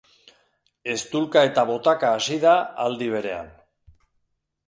Eztulka eta botaka hasi da aldi berean.